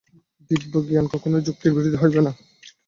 দিব্যজ্ঞান কখনই যুক্তির বিরোধী হইবে না।